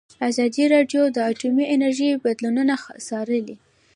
ازادي راډیو د اټومي انرژي بدلونونه څارلي.